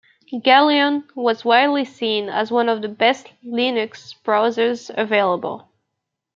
Galeon was widely seen as one of the best Linux browsers available.